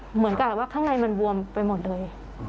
เหมือนกับว่าข้างในมันบวมไปหมดเลย